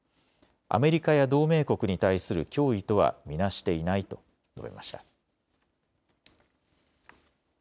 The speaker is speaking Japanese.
アメリカや同盟国に対する脅威とは見なしていないと述べました。